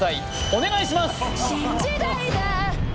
お願いします！